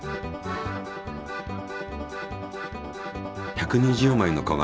１２０枚の鏡。